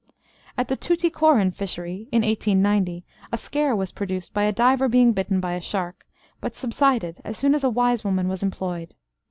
At the Tuticorin fishery in 1890, a scare was produced by a diver being bitten by a shark, but subsided as soon as a "wise woman" was employed.